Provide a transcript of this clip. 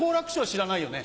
知らないよね？